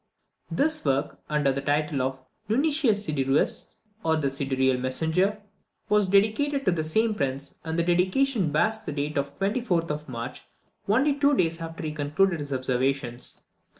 This work, under the title of "Nuncius Sidereus," or the "Sidereal Messenger," was dedicated to the same prince; and the dedication bears the date of the 24th of March, only two days after he concluded his observations.